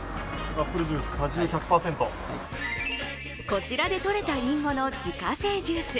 こちらでとれたりんごの自家製ジュース。